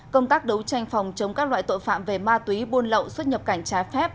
công tác đấu tranh phòng chống các loại tội phạm về ma túy buôn lậu xuất nhập cảnh trái phép